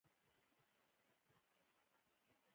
اوړه د تنور سوزیدو ته خندا ورکوي